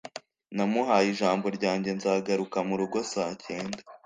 namuhaye ijambo ryanjye nzagaruka murugo saa cyenda